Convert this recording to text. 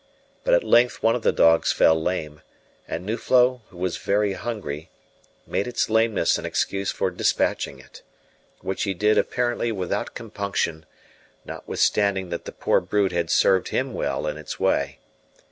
But at length one of the dogs fell lame, and Nuflo, who was very hungry, made its lameness an excuse for dispatching it, which he did apparently without compunction, notwithstanding that the poor brute had served him well in its way.